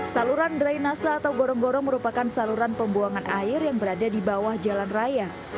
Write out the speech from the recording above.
saluran drainase atau gorong gorong merupakan saluran pembuangan air yang berada di bawah jalan raya